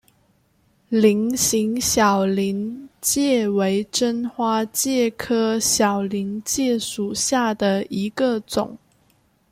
菱形小林介为真花介科小林介属下的一个种。